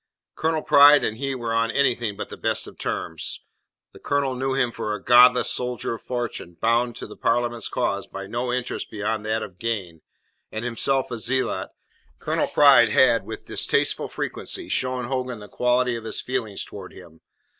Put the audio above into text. Colonel Pride and he were on anything but the best of terms. The colonel knew him for a godless soldier of fortune bound to the Parliament's cause by no interest beyond that of gain; and, himself a zealot, Colonel Pride had with distasteful frequency shown Hogan the quality of his feelings towards him.